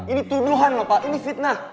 ini tuduhan loh pak ini fitnah